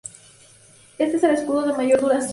Éste es el escudo de mayor duración.